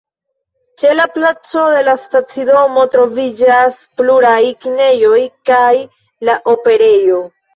Ĉe la placo de la stacidomo troviĝas pluraj kinejoj kaj la Operejo.